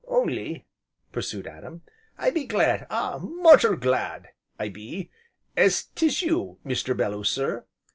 "Only," pursued Adam, "I be glad ah! mortal glad, I be, as 'tis you, Mr. Belloo sir.